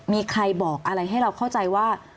มีใครบอกอะไรให้เราเข้าใจว่า